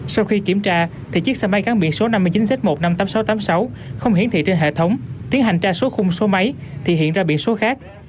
sau khi kiểm tra thì chiếc xe máy gắn biển số năm mươi chín z một trăm năm mươi tám nghìn sáu trăm tám mươi sáu không hiển thị trên hệ thống tiến hành tra số khung số máy thì hiện ra biển số khác